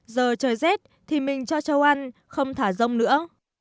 giờ trời rét thì mình cho trâu ăn không thả dông nữa